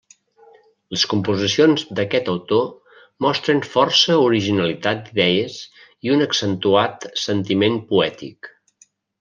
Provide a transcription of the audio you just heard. Les composicions d'aquest autor mostren força originalitat d'idees i un accentuat sentiment poètic.